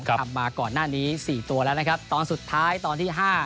กลับมาก่อนหน้านี้๔ตัวแล้วตอนสุดท้ายตอนที่๕